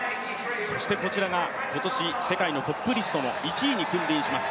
そしてこちらが今年世界のトップリストの１位に君臨します。